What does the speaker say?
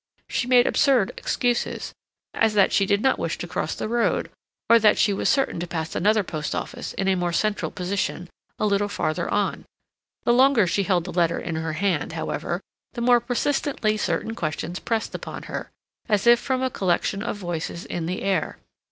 She made absurd excuses, as that she did not wish to cross the road, or that she was certain to pass another post office in a more central position a little farther on. The longer she held the letter in her hand, however, the more persistently certain questions pressed upon her, as if from a collection of voices in the air.